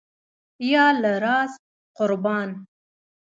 یاله زار، قربان.